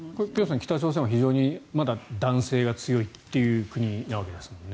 北朝鮮は非常にまだ男性が強いという国なわけですよね？